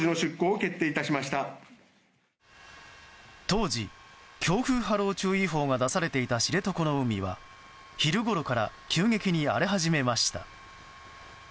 当時、強風・波浪注意報が出されていた知床の海は昼ごろから急激に荒れ始めました。